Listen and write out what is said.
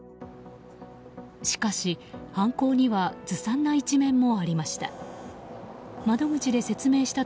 しかし、犯行にはずさんな一面もありました。